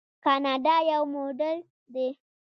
کاناډا یو موډل دی.